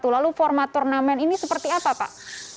lalu format turnamen ini seperti apa pak